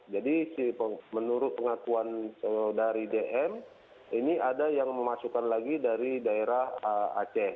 jadi menurut pengatuan dari dm ini ada yang memasukkan lagi dari daerah aceh